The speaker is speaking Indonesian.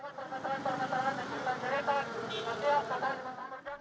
hai penjualan permasalahan dan cinta cerita di asia tenggara